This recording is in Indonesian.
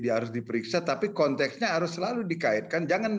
dia harus diperiksa tapi konteksnya harus selalu dikaitkan